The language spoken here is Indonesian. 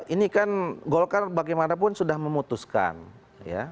ini kan golkar bagaimanapun sudah memutuskan ya